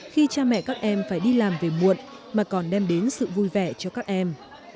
khi cha mẹ các em phải đi làm về muộn mà còn đem đến sự vui vẻ cho các em